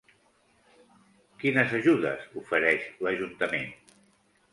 Quines ajudes ofereix l'ajuntament?